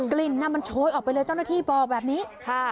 กลิ่นมันโชยออกไปเลยเจ้าหน้าที่บอกแบบนี้ค่ะ